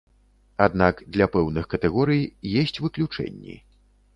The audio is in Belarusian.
Аднак для пэўных катэгорый есць выключэнні.